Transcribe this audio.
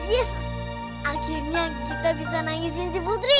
yes akhirnya kita bisa nangisin si putri